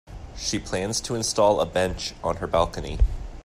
She plans to install a bench on her balcony.